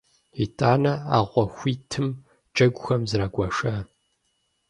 ИтӀанэ а гъуэ хуитым джэгухэм зрагуашэ.